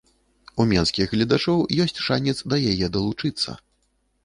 У менскіх гледачоў ёсць шанец да яе далучыцца.